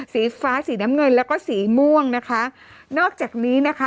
สีฟ้าสีน้ำเงินแล้วก็สีม่วงนะคะนอกจากนี้นะคะ